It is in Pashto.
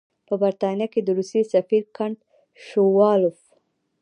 په برټانیه کې د روسیې سفیر کنټ شووالوف.